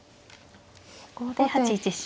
ここで８一飛車。